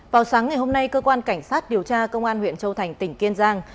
vào sáng ngày hôm nay cơ quan cảnh sát điều tra công an huyện châu thành tỉnh kiên giang